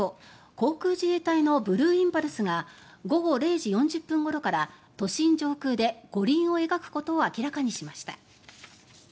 航空自衛隊のブルーインパルスが午後０時４０分ごろから都心上空で五輪を描くことを明らかにしました。